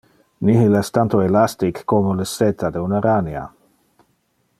Nihil es tanto elastic como le seta de un aranea.